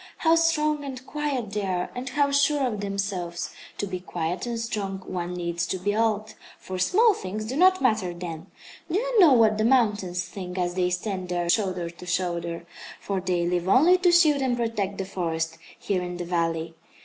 How strong and quiet they are, and how sure of themselves! To be quiet and strong one needs to be old, for small things do not matter then. Do you know what the mountains think, as they stand there shoulder to shoulder for they live only to shield and protect the forest, here in the valley.